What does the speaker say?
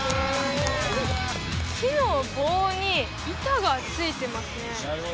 木の棒に板が付いてますね